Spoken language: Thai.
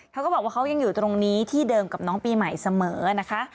เขาก็บอกว่าเขายังอยู่ตรงนี้ที่เดิมกับน้องปีใหม่เสมอนะคะ